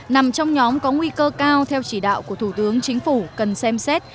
nằm trong nhóm có nguy cơ cao theo chỉ đạo của thủ tướng chính phủ cần xem xét